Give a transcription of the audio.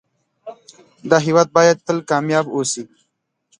دا هيواد بايد تل کامیاب اوسی